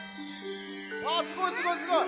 あっすごいすごいすごい！